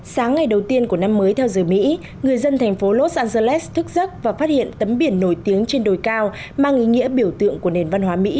sáng ngày đầu tiên của năm mới theo giờ mỹ người dân thành phố los angeles thức và phát hiện tấm biển nổi tiếng trên đồi cao mang ý nghĩa biểu tượng của nền văn hóa mỹ